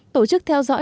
tổ chức theo dõi trả lời